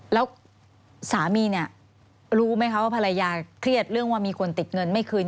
แล้วสามีเนี่ยรู้ไหมคะว่าภรรยาเครียดเรื่องว่ามีคนติดเงินไม่คืน